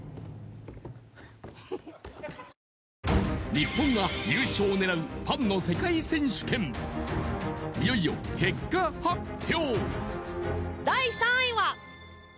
日本が優勝を狙うパンの世界選手権いよいよ結果発表